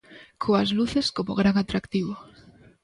Coas luces como gran atractivo.